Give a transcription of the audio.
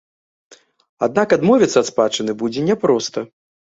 Аднак адмовіцца ад спадчыны будзе няпроста.